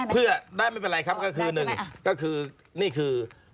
เพื่อได้ไม่เป็นไรครับก็คือหนึ่งก็คือนี่คือ